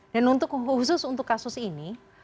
dan untuk khusus untuk kasus ini